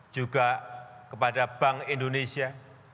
juga kepada bank indonesia